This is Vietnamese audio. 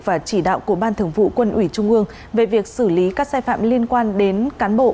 và chỉ đạo của ban thường vụ quân ủy trung ương về việc xử lý các sai phạm liên quan đến cán bộ